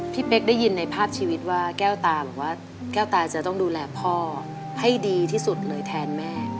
เป๊กได้ยินในภาพชีวิตว่าแก้วตาบอกว่าแก้วตาจะต้องดูแลพ่อให้ดีที่สุดเลยแทนแม่